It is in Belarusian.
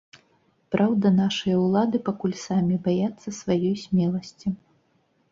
Праўда, нашыя ўлады пакуль самі баяцца сваёй смеласці.